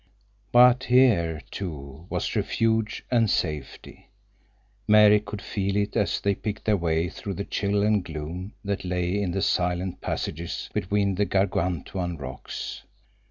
But here, too, was refuge and safety. Mary could feel it as they picked their way through the chill and gloom that lay in the silent passages between the Gargantuan rocks.